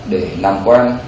để làm quen